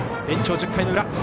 延長１０回の裏。